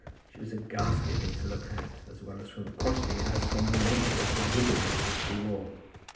She was a ghastly thing to look at, as well from the quantity as from the nature of the wiggeries which she wore.